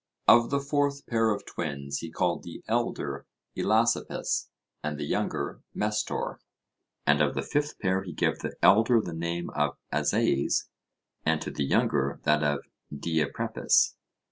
Of the fourth pair of twins he called the elder Elasippus, and the younger Mestor. And of the fifth pair he gave to the elder the name of Azaes, and to the younger that of Diaprepes.